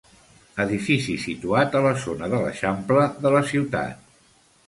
Edifici situat a la zona de l'eixample de la ciutat.